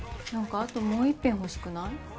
何かあともう一品欲しくない？